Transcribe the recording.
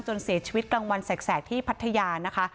เสียชีวิตกลางวันแสกที่พัทยานะคะ